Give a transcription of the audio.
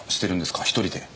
１人で。